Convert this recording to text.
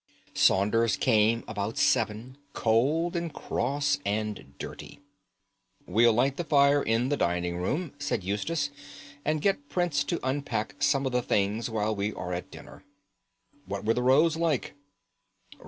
Saunders came about seven, cold and cross and dirty. "We'll light the fire in the dining room," said Eustace, "and get Prince to unpack some of the things while we are at dinner. What were the roads like?"